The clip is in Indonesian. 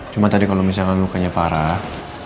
cuma tadi kalau misalkan lukanya parah